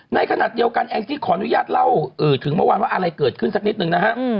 ในขณะเดียวกันแองจี้ขออนุญาตเล่าถึงเมื่อวานว่าอะไรเกิดขึ้นสักนิดนึงนะฮะ